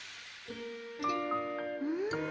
うん！